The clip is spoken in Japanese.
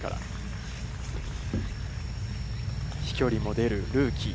飛距離も出るルーキー。